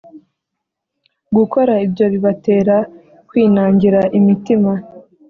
Gukora ibyo bibatera kwinangira imitima,